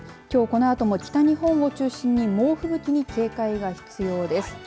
きょう、このあとも北日本を中心に猛吹雪に警戒が必要です。